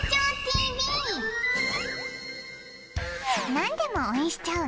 何でも応援しちゃう